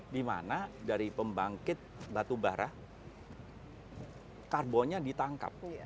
dimana dari pembangkit batu bara karbonnya ditangkap